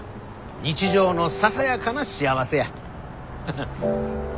日常のささやかな幸せや。ははっ。